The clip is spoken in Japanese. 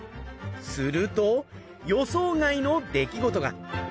すると予想外の出来事が。